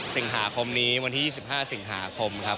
สิงหาคมนี้วันที่๒๕สิงหาคมครับ